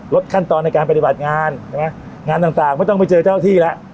ขั้นตอนในการปฏิบัติงานใช่ไหมงานต่างไม่ต้องไปเจอเจ้าที่แล้ว